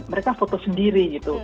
mereka foto sendiri gitu